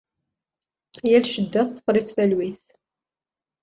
Yal ccedda teḍfer-itt talwit.